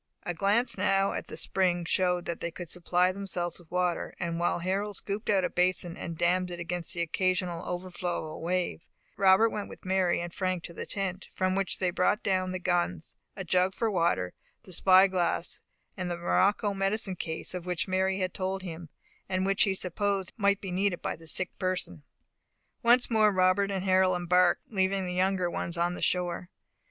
A glance now at the spring showed that they could supply themselves with water, and while Harold scooped out a basin, and dammed it against the occasional overflow of a wave, Robert went with Mary and Frank to the tent, from which he brought down the guns, a jug for water, the spy glass, and the morocco medicine case, of which Mary had told him, and which he supposed might be needed by the sick person. Once more Robert and Harold embarked, leaving the younger ones on the shore.